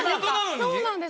そうなんです。